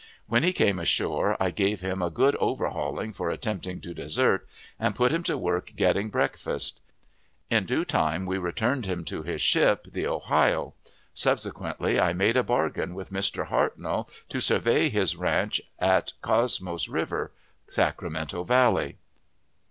When he came ashore, I gave him a good overhauling for attempting to desert, and put him to work getting breakfast. In due time we returned him to his ship, the Ohio. Subsequently, I made a bargain with Mr. Hartnell to survey his ranch at Cosnmnes River, Sacramento Valley.